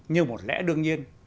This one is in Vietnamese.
như một lẽ đương nhiên